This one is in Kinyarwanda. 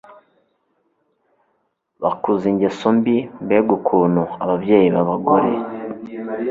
bakuza ingeso mbi Mbega ukuntu ababyeyi babagore